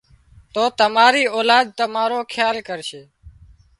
تو تماري اولاد تمارو کيال ڪرشي